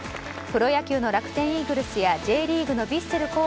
プロ野球の楽天イーグルスやＪリーグのヴィッセル